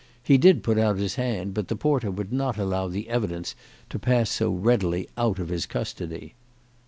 He did put out his hand, but the porter would not allow the evidence to pass so readily out of his custody.